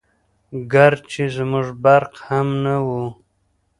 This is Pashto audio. ګرچې زموږ برق هم نه وو🤗